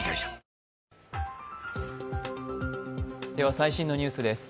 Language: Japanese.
最新のニュースです。